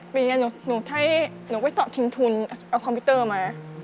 ๑๑ปีหนูไปสอบชิงทุนเอาคอมพิวเตอร์มา